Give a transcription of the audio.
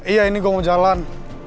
iya ini gue mau jalan